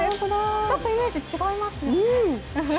ちょっとイメージ、違いますよね。